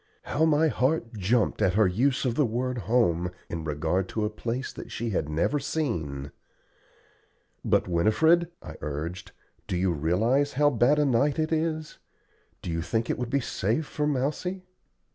How my heart jumped at her use of the word "home" in regard to a place that she had never seen. "But, Winifred," I urged, "do you realize how bad a night it is? Do you think it would be safe for Mousie?"